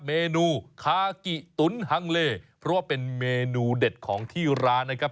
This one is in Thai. เมนูคากิตุ๋นฮังเลเพราะว่าเป็นเมนูเด็ดของที่ร้านนะครับ